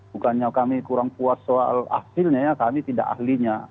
bukannya kami kurang puas soal hasilnya ya kami tidak ahlinya